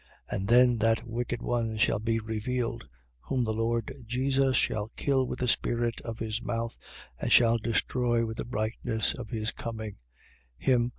2:8. And then that wicked one shall be revealed: whom the Lord Jesus shall kill with the spirit of his mouth and shall destroy with the brightness of his coming: him 2:9.